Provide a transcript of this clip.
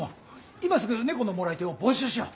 今すぐ猫の貰い手を募集しよう。